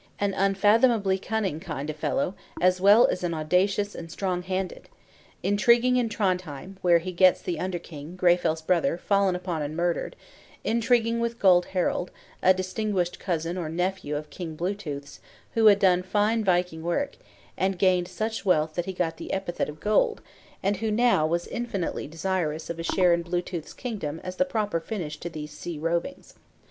An unfathomably cunning kind of fellow, as well as an audacious and strong handed! Intriguing in Trondhjem, where he gets the under king, Greyfell's brother, fallen upon and murdered; intriguing with Gold Harald, a distinguished cousin or nephew of King Blue tooth's, who had done fine viking work, and gained, such wealth that he got the epithet of "Gold," and who now was infinitely desirous of a share in Blue tooth's kingdom as the proper finish to these sea rovings.